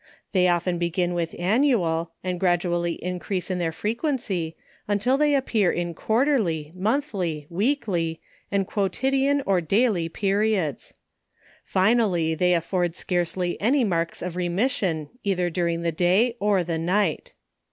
They often begin with annual, and gradually increase in their frequency, until they appear in quarterly, monthly, weekly, and quotidian or daily periods. Finally .they af * OM THE EFFECTS of lord scarcely any marks of remission either during the day or the night.